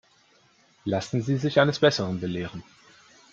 Lassen Sie sich eines Besseren belehren.